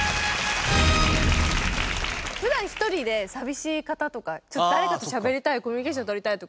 普段一人で寂しい方とか誰かとしゃべりたいコミュニケーション取りたいとか。